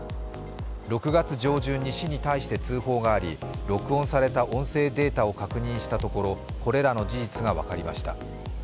６月上旬に市に対して通報があり録音された音声データを確認したところ、これらの事実が分かりました。